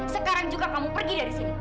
sekarang juga kamu pergi dari sini